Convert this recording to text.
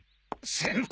先輩！